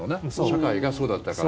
社会がそうだったから。